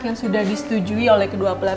yang sudah disetujui oleh kedua pelaku